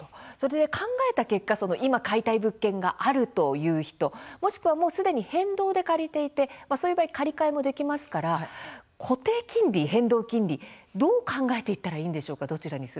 考えた結果今、買いたい物件があるという人もしくはすでに変動で借りていて借り換えもできますから固定金利と変動金利どう考えていったらいいんでしょうか。